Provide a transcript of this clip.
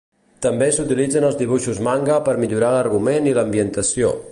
També s"utilitzen els dibuixos manga per millorar l"argument i l"ambientació.